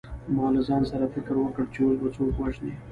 ما له ځان سره فکر وکړ چې اوس به څوک وژنې